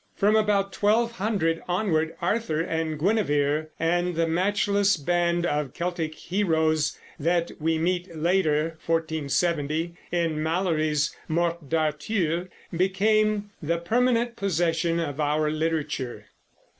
From about 1200 onward Arthur and Guinevere and the matchless band of Celtic heroes that we meet later (1470) in Malory's Morte d' Arthur became the permanent possession of our literature.